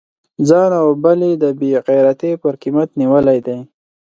ځان او بل یې د بې غیرتی پر قیمت نیولی دی.